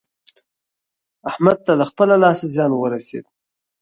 احمد ته له خپله لاسه زيان ورسېد.